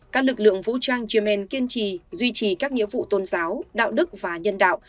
các lực lượng vũ trang yemen kiên trì duy trì các nghĩa vụ tôn giáo đạo đức và nhân đạo